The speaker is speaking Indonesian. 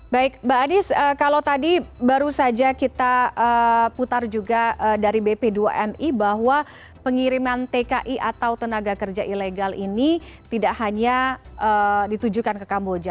baik mbak anies kalau tadi baru saja kita putar juga dari bp dua mi bahwa pengiriman tki atau tenaga kerja ilegal ini tidak hanya ditujukan ke kamboja